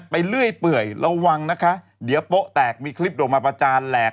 เรื่อยเปื่อยระวังนะคะเดี๋ยวโป๊ะแตกมีคลิปโด่งมาประจานแหลก